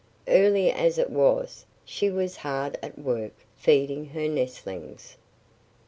Early as it was she was hard at work feeding her nestlings.